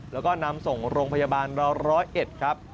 แล้วก็นำส่งโรงพยาบาลเรา๑๐๑ครับ